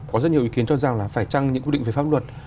có rất nhiều ý kiến cho rằng là phải trăng những quy định về pháp luật